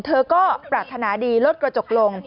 เธอก็ปรารถนาดีลดกระจกลง